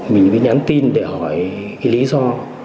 mình mới nhắn tin để hỏi lý do